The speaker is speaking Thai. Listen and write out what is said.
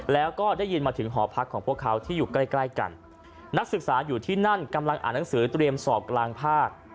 แล้วก็ได้ยินมาถึงหอพักของพวกเขาที่อยู่ใกล้ใกล้กันนักศึกษาอยู่ที่นั่นกำลังอ่านหนังสือเตรียมสอบกลางภาค